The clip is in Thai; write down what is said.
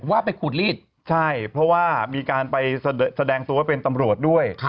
ว่าไปขูดรีดใช่เพราะว่ามีการไปแสดงตัวว่าเป็นตำรวจด้วย